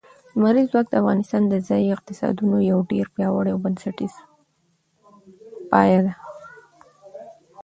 لمریز ځواک د افغانستان د ځایي اقتصادونو یو ډېر پیاوړی او بنسټیز پایایه دی.